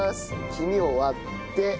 黄身を割って。